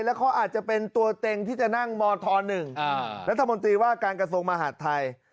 แล้วเขาอาจจะเป็นตัวเต็งที่จะนั่งมธ๑รัฐมนตรีว่าการกระทรวงมหาดไทย